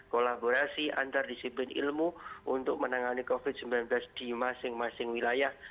kolaborasi antar disiplin ilmu untuk menangani covid sembilan belas di masing masing wilayah